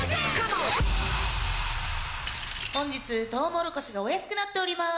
本日トウモロコシがお安くなっております。